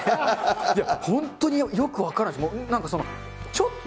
本当によく分からないです。